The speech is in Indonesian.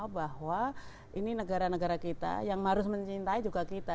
bahwa ini negara negara kita yang harus mencintai juga kita